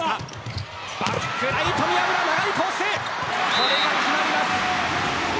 これは決まります。